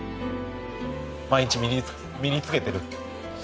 毎日身に着けてる。